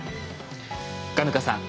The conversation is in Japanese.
嘉糠さん